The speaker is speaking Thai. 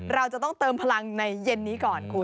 เราจะต้องเติมพลังในเย็นนี้ก่อนคุณ